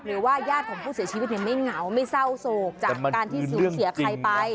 ญาติของผู้เสียชีวิตไม่เหงาไม่เศร้าโศกจากการที่สูญเสียใครไป